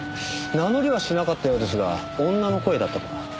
名乗りはしなかったようですが女の声だったとか。